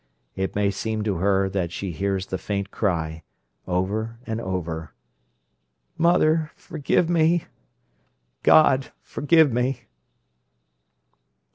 It may seem to her that she hears the faint cry, over and over: "Mother, forgive me! God, forgive me!"